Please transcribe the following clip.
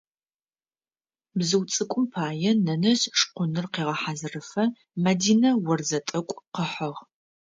Бзыу цӏыкӏум пае нэнэжъ шкъуныр къегъэхьазырыфэ Мадинэ орзэ тӏэкӏу къыхьыгъ.